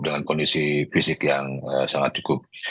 dengan kondisi fisik yang sangat cukup